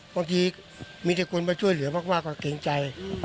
บางทีมีแต่คนมาช่วยเหลือมากก็เกรงใจ